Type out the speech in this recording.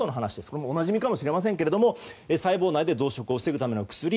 これもおなじみかもしれませんけれども、細胞内での増殖を防ぐための薬。